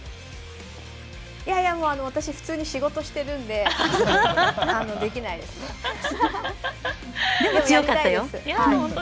いやいや、私普通に仕事してるのででも強かったよ。